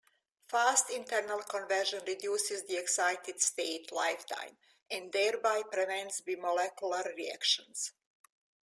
Fast internal conversion reduces the excited state lifetime, and thereby prevents bimolecular reactions.